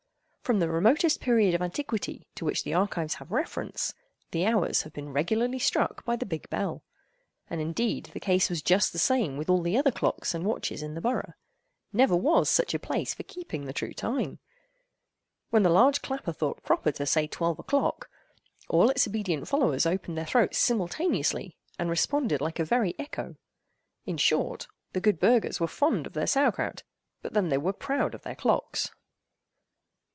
From the remotest period of antiquity to which the archives have reference, the hours have been regularly struck by the big bell. And, indeed the case was just the same with all the other clocks and watches in the borough. Never was such a place for keeping the true time. When the large clapper thought proper to say "Twelve o'clock!" all its obedient followers opened their throats simultaneously, and responded like a very echo. In short, the good burghers were fond of their sauer kraut, but then they were proud of their clocks.